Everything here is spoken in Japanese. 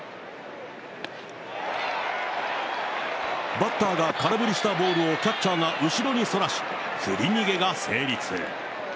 バッターが空振りしたボールをキャッチャーが後ろにそらし、振り逃げが成立。